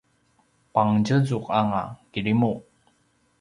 pangtjezu anga kirimu